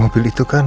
mobil itu kan